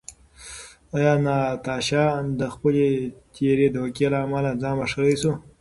ایا ناتاشا د خپلې تېرې دوکې له امله ځان بښلی شو؟